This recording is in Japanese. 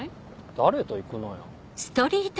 誰と行くのよ？